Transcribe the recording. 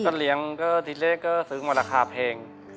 ก็เลี้ยงก็ทีแรกก็ซื้อมาราคาแพง